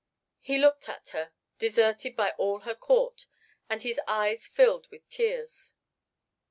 He looked at her, deserted by all her court, and his eyes filled with tears.